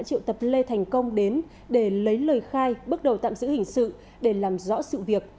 triệu tập lê thành công đến để lấy lời khai bước đầu tạm giữ hình sự để làm rõ sự việc